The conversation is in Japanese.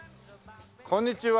こんにちは。